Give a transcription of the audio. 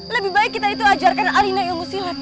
lebih baik kita itu ajarkan alina yang ngu silat